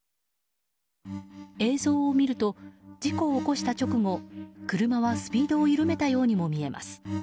映像を見ると事故を起こした直後車はスピードを緩めたようにも見えます。